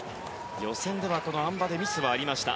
予選ではあん馬でミスがありました。